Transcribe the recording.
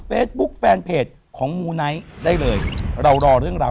ขอบคุณพี่โจ้ด้วยครับ